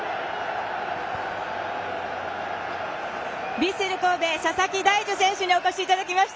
ヴィッセル神戸佐々木大樹選手にお越しいただきました。